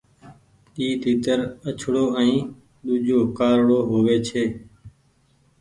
اي تيتر آڇڙو ائين ۮوجھو ڪارڙو هووي ڇي۔